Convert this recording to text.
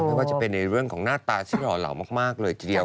ไม่ว่าจะเป็นในเรื่องของหน้าตาที่หล่อเหล่ามากเลยทีเดียว